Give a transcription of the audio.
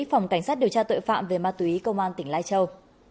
phòng cảnh sát điều tra tội phạm về ma túy công an tỉnh lai châu